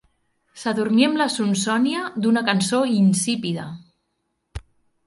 S'adormí amb la sonsònia d'una cançó insípida.